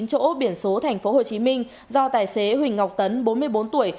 hai mươi chín chỗ biển số tp hcm do tài xế huỳnh ngọc tấn bốn mươi bốn tuổi